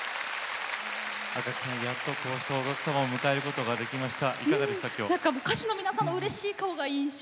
こうしてお客様を迎えることができました。